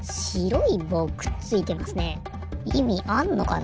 いみあんのかな？